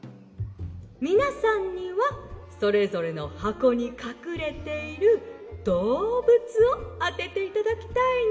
「みなさんにはそれぞれのはこにかくれているどうぶつをあてていただきたいの」。